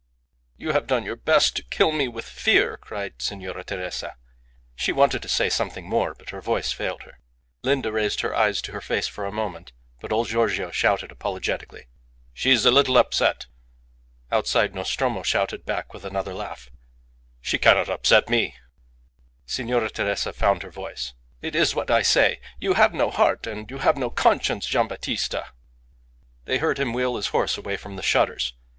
"You have done your best to kill me with fear," cried Signora Teresa. She wanted to say something more, but her voice failed her. Linda raised her eyes to her face for a moment, but old Giorgio shouted apologetically "She is a little upset." Outside Nostromo shouted back with another laugh "She cannot upset me." Signora Teresa found her voice. "It is what I say. You have no heart and you have no conscience, Gian' Battista " They heard him wheel his horse away from the shutters.